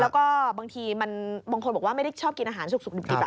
แล้วก็บางทีมันบางคนบอกว่าไม่ได้ชอบกินอาหารสุกดิบ